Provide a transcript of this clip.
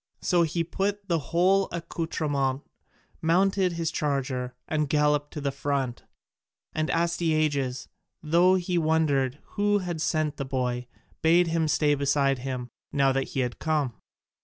So he put on the whole accoutrement, mounted his charger, and galloped to the front. And Astyages, though he wondered who had sent the boy, bade him stay beside him, now that he had come.